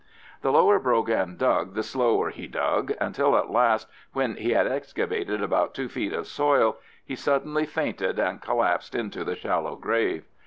The lower Brogan dug the slower he dug, until at last, when he had excavated about two feet of soil, he suddenly fainted and collapsed into the shallow grave.